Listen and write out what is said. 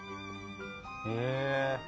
へえ。